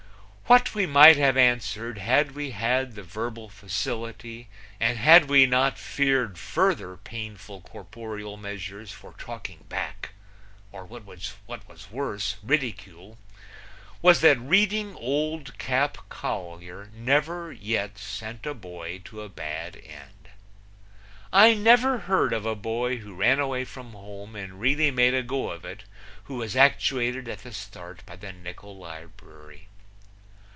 What we might have answered, had we had the verbal facility and had we not feared further painful corporeal measures for talking back or what was worse, ridicule was that reading Old Cap Collier never yet sent a boy to a bad end. I never heard of a boy who ran away from home and really made a go of it who was actuated at the start by the nickul librury.